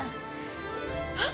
あっ。